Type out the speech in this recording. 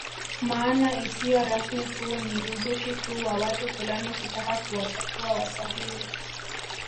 Maana isiyo rasmi huu ni uzushi tu wa watu fulani kutaka kuwachafua waswahili